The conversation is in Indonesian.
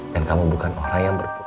dan kamu bukan orang yang berkurang